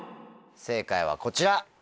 正解はこちら。